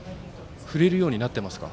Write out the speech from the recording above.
振れるようになってますか？